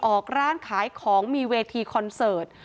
ออกร้านขายของมีเวทีคอนเสิร์ต